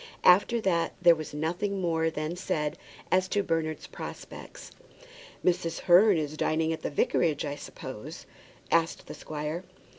After that there was nothing more then said as to Bernard's prospects. "Mrs. Hearn is dining at the vicarage, I suppose?" asked the squire.